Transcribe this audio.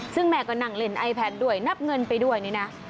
ซึ่งแม่ก็นั่งเล่นไอแพนด้วยนับเงินไปด้วยนี่นะ